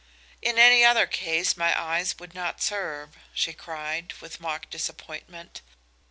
"In any other case my eyes would not serve," she cried, with mock disappointment.